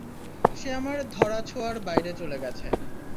সে আমার ধরা-ছোঁয়ার বাইরে চলে গেছে।